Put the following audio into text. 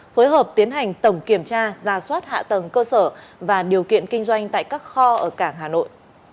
phối hợp tiến hành tổng kiểm tra ra soát hạ tầng cơ sở và điều kiện kinh doanh tại các kho ở cảng hà nội